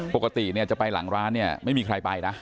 ปกติจะไปหลังร้านไม่มีใครไปนะ